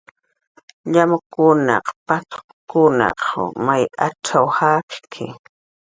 "Llamkuna, paq""kunaq may atz'aw jakki"